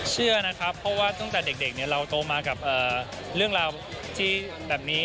เชื่อนะครับเพราะว่าตั้งแต่เด็กเราโตมากับเรื่องราวที่แบบนี้